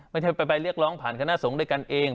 ไม่ใช่ไปเรียกร้องผ่านคณะสงฆ์ด้วยกันเอง